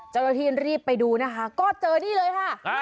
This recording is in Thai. เจ้าหน้าที่รีบไปดูนะคะก็เจอนี่เลยค่ะ